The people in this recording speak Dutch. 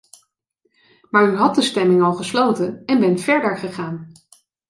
Maar u had de stemming al gesloten en bent verder gegaan.